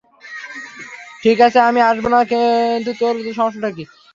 ঠিক আছে আমি আসব না, কিন্তু তোর সমস্যাটা কি?